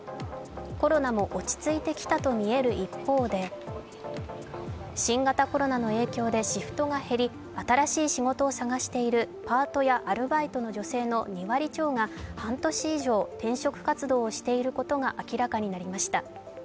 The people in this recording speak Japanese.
コロナも落ち着いてきたと見える一方で、新型コロナの影響でシフトが減り新しい仕事を探しているパートやアルバイトの女性の２割強が半年以上転職活動をしていることが明らかになりました。